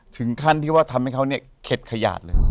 ถึงขั้นที่ว่าทำให้เขาเนี่ยเข็ดขยาดเลย